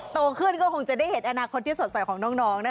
โตขึ้นก็คงจะได้เห็นอนาคตที่สดใสของน้องนะคะ